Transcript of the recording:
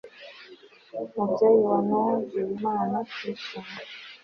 mubyeyi wanogeye imana, twigishe